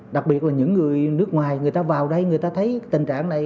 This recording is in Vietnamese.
đặc biệt là những người nước ngoài người ta vào đây người ta thấy tình trạng này